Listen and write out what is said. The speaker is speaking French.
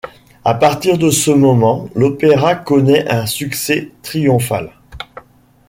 À partir de ce moment, l'opéra connaît un succès triomphal.